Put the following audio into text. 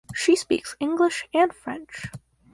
She speaks English and French.